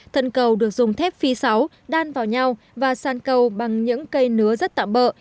thân cầu được dùng thép phi sáu đan vào nhau và san cầu bằng những cây nứa rất tạm bỡ